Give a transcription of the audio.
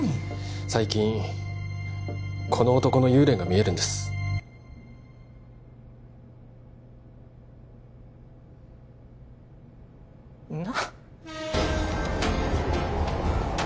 最近この男の幽霊が見えるんですな？